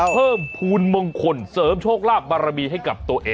เพิ่มภูมิมงคลเสริมโชคลาภบารมีให้กับตัวเอง